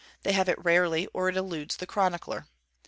They have it rarely, or it eludes the chronicler.